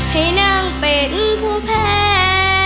ให้นั่งเป็นผู้แพ้